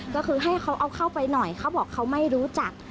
ก็คือให้เขาเอาเข้าไปหน่อยเขาบอกเขาไม่รู้จัก